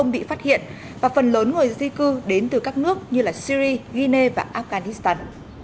bị phát hiện và phần lớn người di cư đến từ các nước như syri guinea và afghanistan